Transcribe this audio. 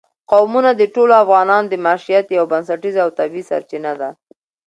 قومونه د ټولو افغانانو د معیشت یوه بنسټیزه او طبیعي سرچینه ده.